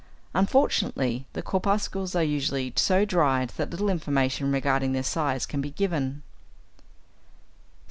Unfortunately, the corpuscles are usually so dried that little information regarding their size can be given.